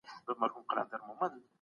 لس منفي دوه؛ اته کېږي.